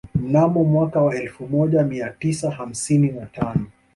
Mnamo mwaka wa elfu moja mia tisa hamsini na tano